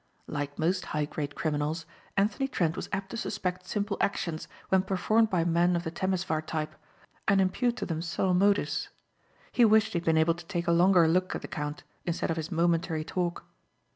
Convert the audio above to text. Like most high grade criminals, Anthony Trent was apt to suspect simple actions when performed by men of the Temesvar type and impute to them subtle motives. He wished he had been able to take a longer look at the count instead of his momentary talk.